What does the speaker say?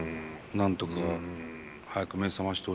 なんとか早く目覚ましてほしいな。